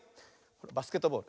バスケットボール。